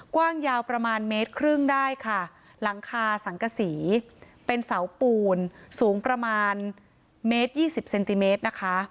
กว้างยาวประมาณเมตรครึ่งได้ค่ะหลังคาสังกษีเป็นเสาปูนสูงประมาณเมตรยี่สิบเซนติเมตรนะคะ